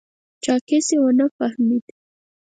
چاکېس یې و نه فهمېد.